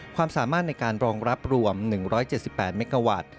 ความสามารถในการรองรับรวม๑๗๘เมกาวัตต์